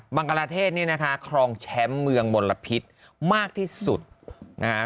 งกราเทศนี่นะคะครองแชมป์เมืองมลพิษมากที่สุดนะคะ